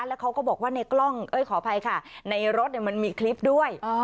แล้วเขาก็บอกว่าในกล้องเอ้ยขออภัยค่ะในรถมันมีคลิปด้วย